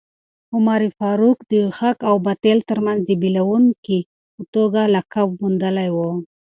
عمر فاروق د حق او باطل ترمنځ د بېلوونکي په توګه لقب موندلی و.